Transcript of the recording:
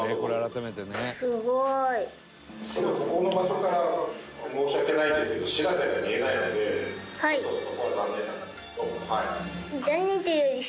ここの場所から申し訳ないですけど「しらせ」が見えないのでちょっと。